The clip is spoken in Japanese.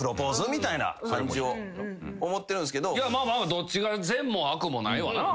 どっちが善も悪もないわな。